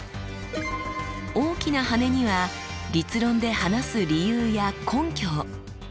大きな羽には立論で話す理由や根拠を。